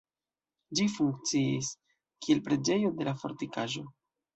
Ĝi funkciis, kiel preĝejo de la fortikaĵo.